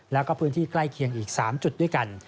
แล้วก็พื้นที่ใกล้เคียงอีก๓จุดด้วยกัน